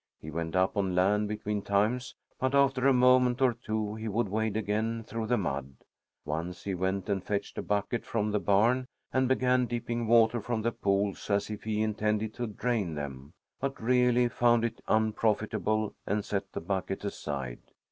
He went up on land between times, but after a moment or two he would wade again through the mud. Once he went and fetched a bucket from the barn and began dipping water from the pools, as if he intended to drain them, but really found it unprofitable and set the bucket aside.